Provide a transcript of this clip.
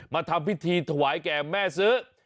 ทำพิธีถวายแก่แม่ซื้อ